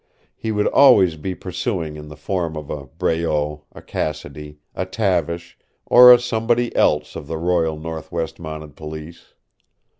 He would always be pursuing in the form of a Breault, a Cassidy, a Tavish, or a Somebody Else of the Royal Northwest Mounted Police.